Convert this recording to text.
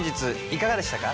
いかがでしたか？